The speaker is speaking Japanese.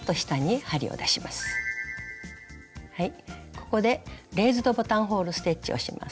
ここでレイズドボタンホール・ステッチをします。